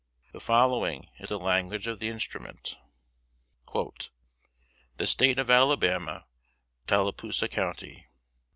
The following is the language of the instrument: "The State of Alabama, Tallapoosa County.